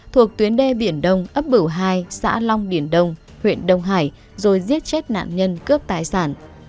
thuộc tuyến đê biển đông ấp bửu hai xã long điển đông huyện đông hải rồi giết chết nạn nhân cướp tài sản